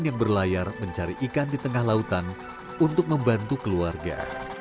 yang berlayar mencari ikan di tengah lautan untuk membantu keluarga